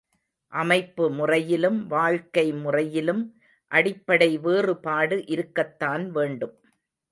அமைப்பு முறையிலும் வாழ்க்கை முறையிலும் அடிப்படை வேறுபாடு இருக்கத்தான் வேண்டும்.